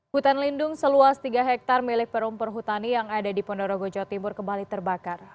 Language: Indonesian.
hutan lindung seluas tiga hektare milik perummpur hutani yang ada di pondorogo jawa timur kembali terbakar